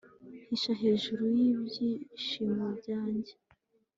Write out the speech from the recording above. hisha hejuru y'ibyishimo byanjye